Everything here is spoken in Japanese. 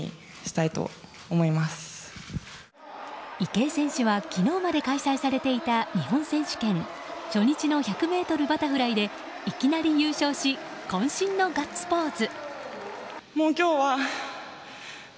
池江選手は昨日まで開催されていた日本選手権初日の１００ｍバタフライでいきなり優勝し渾身のガッツポーズ。